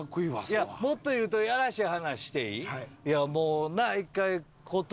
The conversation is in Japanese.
いやもっと言うとやらしい話していい？